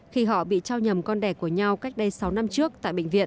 khi họ bị trao nhầm con đẻ của nhau cách đây sáu năm trước tại bệnh viện